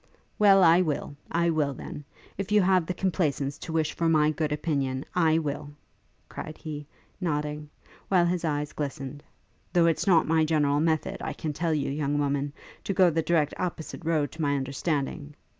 'Well, I will! I will, then! if you have the complaisance to wish for my good opinion, I will!' cried he, nodding, while his eyes glistened; 'though it's not my general method, I can tell you, young woman, to go the direct opposite road to my understanding.